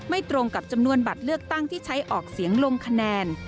ตรงกับจำนวนบัตรเลือกตั้งที่ใช้ออกเสียงลงคะแนน